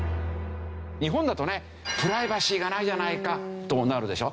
日本だとねプライバシーがないじゃないかとなるでしょ？